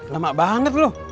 lama banget lu